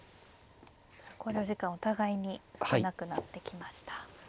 考慮時間お互いに少なくなってきました。